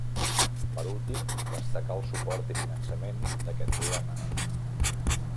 Per últim, destacar el suport i finançament d'aquest programa.